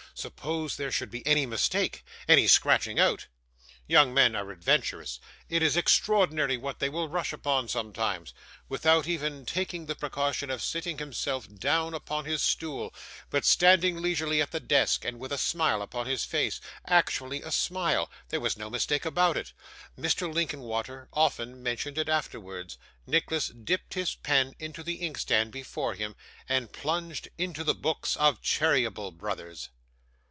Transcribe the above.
Suppose there should be any mistake any scratching out! Young men are adventurous. It is extraordinary what they will rush upon, sometimes. Without even taking the precaution of sitting himself down upon his stool, but standing leisurely at the desk, and with a smile upon his face actually a smile there was no mistake about it; Mr Linkinwater often mentioned it afterwards Nicholas dipped his pen into the inkstand before him, and plunged into the books of Cheeryble Brothers!